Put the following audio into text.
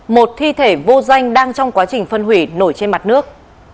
một thi thể vô danh đang trong quá trình phân hủy nổi trên mặt nước